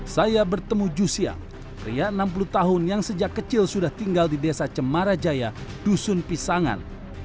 saya bertemu jucia pria enam puluh tahun yang sejak kecil sudah tinggal di desa cemarajaya dusun pisangan